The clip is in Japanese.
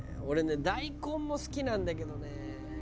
俺ね大根も好きなんだけどね。